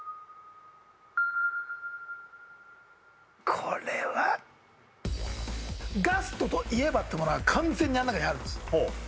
これはガストといえばってものが完全にあの中にあるんですほう